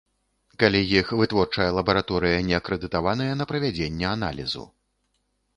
Калі іх вытворчая лабараторыя не акрэдытаваная на правядзенне аналізу.